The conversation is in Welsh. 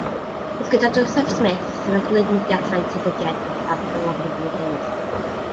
Roedd gyda Joseph Smith, sefydlydd Mudiad Saint y Dyddiau Diwethaf pan lofruddiwyd ef.